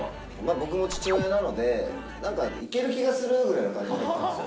僕も父親なので、なんかいける気がするー、ぐらいな感じでいたんですよ。